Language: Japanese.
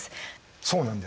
そうなんです。